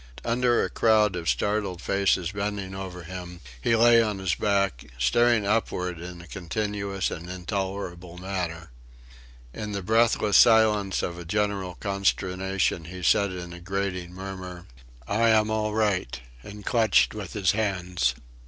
Under a crowd of startled faces bending over him he lay on his back, staring upwards in a continuous and intolerable manner. In the breathless silence of a general consternation, he said in a grating murmur: "I am all right," and clutched with his hands.